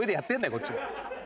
こっちも。